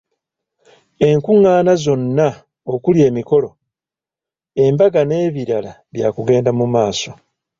Enkungaana zonna okuli emikolo, embaga n’ebirala byakugenda mu maaso.